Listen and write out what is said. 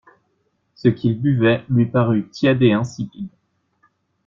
Ce qu'il buvait lui parut tiède et insipide.